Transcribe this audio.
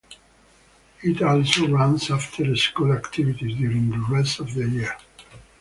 It also runs after-school activities during the rest of the year.